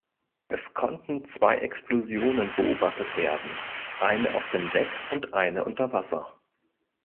Es konnten zwei Explosionen beobachtet werden, eine auf dem Deck und eine unter Wasser.